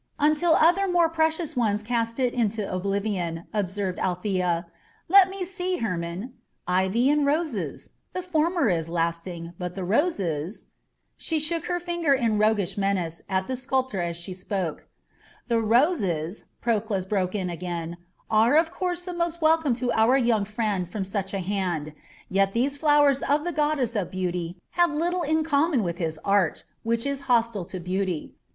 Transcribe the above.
"Until other more precious ones cast it into oblivion," observed Althea. "Let me see, Hermon: ivy and roses. The former is lasting, but the roses " She shook her finger in roguish menace at the sculptor as she spoke. "The roses," Proclus broke in again, "are of course the most welcome to our young friend from such a hand; yet these flowers of the goddess of Beauty have little in common with his art, which is hostile to beauty.